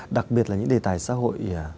đặc biệt là những đề tài xã hội